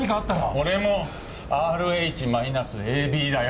俺もＲＨマイナスＡＢだよ！